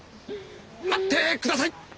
待ってください！